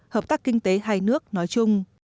hợp tác kinh tế hai nước nói chung